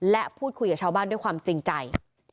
และพูดคุยกับชาวบ้านด้วยความจริงใจ